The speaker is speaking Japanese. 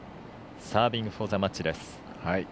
サービングフォーザマッチです。